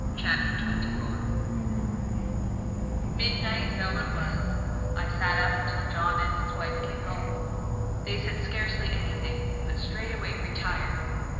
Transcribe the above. CHAPTER XXIV Midnight though it was, I sat up until John and his wife came home. They said scarcely anything, but straightway retired.